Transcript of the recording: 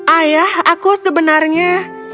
ayah aku sebenarnya